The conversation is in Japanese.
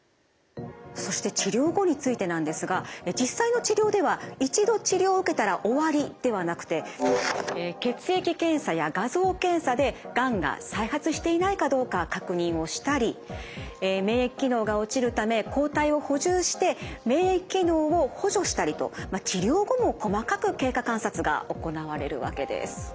そして治療後についてなんですが実際の治療では一度治療を受けたら終わりではなくて血液検査や画像検査でがんが再発していないかどうか確認をしたり免疫機能が落ちるため抗体を補充して免疫機能を補助したりと治療後も細かく経過観察が行われるわけです。